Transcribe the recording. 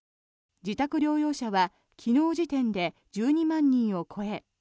自宅療養者は昨日時点で１２万人を超え